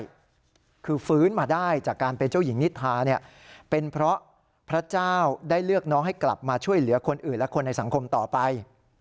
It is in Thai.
ก็คือฟื้นมาได้จากการเป็นเจ้าหญิงนิทาเนี่ยเป็นเพราะพระเจ้าได้เลือกน้องให้กลับมาช่วยเหลือคนอื่นและคนในสังคมต่อไป